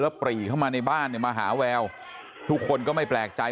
ปรีเข้ามาในบ้านเนี่ยมาหาแววทุกคนก็ไม่แปลกใจ